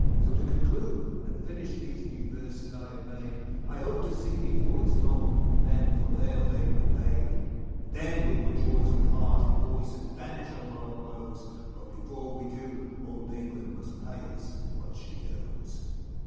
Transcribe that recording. So to conclude and finish these few verses I have made, I hope to see before it's long men for their labour paid, Then we'll rejoice with heart and voice and banish all our woes, But before we do old England must pay us what she owes.